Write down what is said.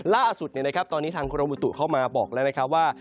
ล่าสุดตอนนี้ทางกรมอุตุเข้ามาบอกแล้วนะครับว่า